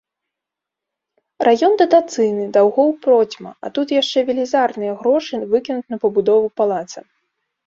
Раён датацыйны, даўгоў процьма, а тут яшчэ велізарныя грошы выкінуць на пабудову палаца.